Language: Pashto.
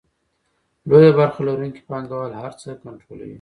لویه برخه لرونکي پانګوال هر څه کنټرولوي